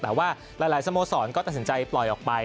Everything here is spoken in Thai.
แต่ว่าหลายสโมสรก็ตัดสินใจปล่อยออกไป